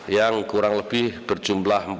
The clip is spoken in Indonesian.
yang kurang lebih berjumlah rp empat delapan puluh